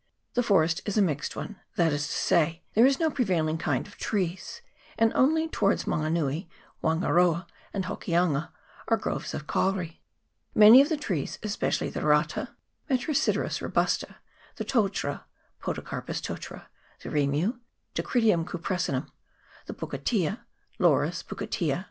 The forest is a mixed one ; that is to say, there is no prevailing kind of trees, and only towards Mango nui, Wan garoa, and Hokianga are groves of kauri. Many of the trees, especially the rata (Metrosideros ro busta), the totara (Podocarpus totara), the rimu (Dacrydium cupressinum), the pukatea (Laurus pu katea